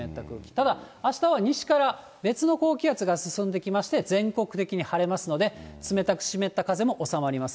ただ、あしたは西から別の高気圧が進んできまして、全国的に晴れますので、冷たく湿った風も収まります。